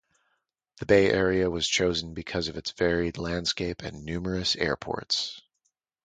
The Bay Area was chosen because of its varied landscape and numerous airports.